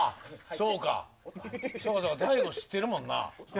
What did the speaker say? そうか大悟知ってるもんな。